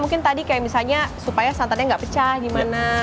mungkin tadi kayak misalnya supaya santannya nggak pecah gimana